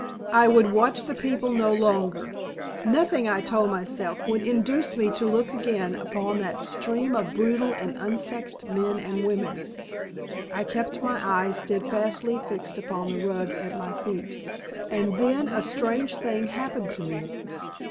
I would watch the people no longer. Nothing, I told myself, should induce me to look again upon that stream of brutal and unsexed men and women. I kept my eyes steadfastly fixed upon the rug at my feet. And then a strange thing happened to me.